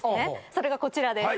それがこちらです。